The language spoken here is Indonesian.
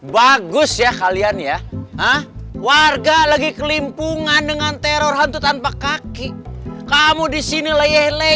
bagus ya kalian ya warga lagi kelimpungan dengan teror hantu tanpa kaki kamu disini leyeh leh